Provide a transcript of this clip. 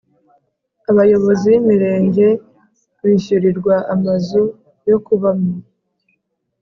Abayobozi b’imirenge bishyurirwa amazu yokubamo